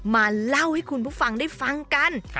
มาเล่าให้คุณผู้ฟังได้ฟังกัน